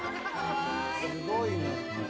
「すごいね」